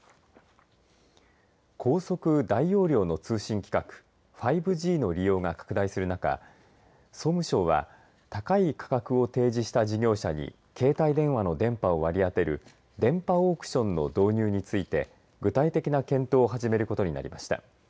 高速、大容量の通信規格５Ｇの利用が拡大する中総務省は高い価格を提示した事業者に携帯電話の電波を割り当てる電波オークションの導入について具体的な検討を始めることになりました。